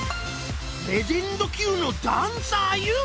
レジェンド級のダンサーＹＯＵ！